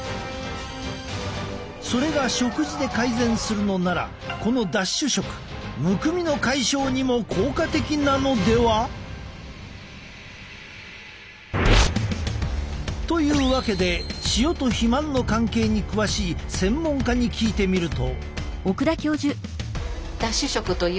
それが食事で改善するのならこのダッシュ食むくみの解消にも効果的なのでは？というわけで塩と肥満の関係に詳しい専門家に聞いてみると。